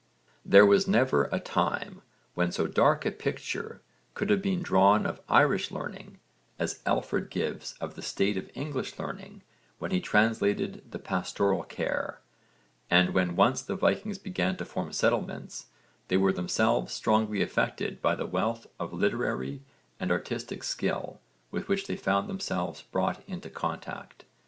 There was never a time when so dark a picture could have been drawn of Irish learning as Alfred gives of the state of English learning when he translated the Pastoral Care, and when once the Vikings began to form settlements they were themselves strongly affected by the wealth of literary and artistic skill with which they found themselves brought into contact.